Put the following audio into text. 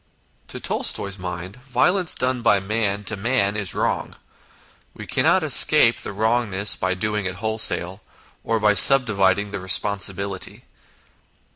To Tolstoy's mind, violence done by man to man is wrong. We cannot escape the wrong ness by doing it wholesale, or by subdividing the responsibility.